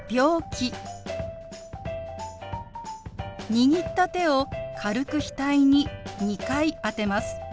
握った手を軽く額に２回当てます。